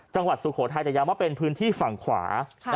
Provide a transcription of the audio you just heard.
จังหวัดสุโขทัยแต่ยังว่าเป็นพื้นที่ฝั่งขวา